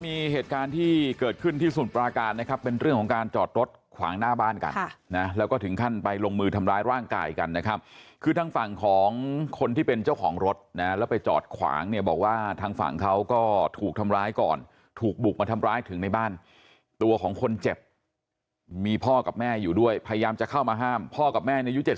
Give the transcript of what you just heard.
มีเหตุการณ์ที่เกิดขึ้นที่สมุทรปราการนะครับเป็นเรื่องของการจอดรถขวางหน้าบ้านกันนะแล้วก็ถึงขั้นไปลงมือทำร้ายร่างกายกันนะครับคือทางฝั่งของคนที่เป็นเจ้าของรถนะแล้วไปจอดขวางเนี่ยบอกว่าทางฝั่งเขาก็ถูกทำร้ายก่อนถูกบุกมาทำร้ายถึงในบ้านตัวของคนเจ็บมีพ่อกับแม่อยู่ด้วยพยายามจะเข้ามาห้ามพ่อกับแม่ในยุเจ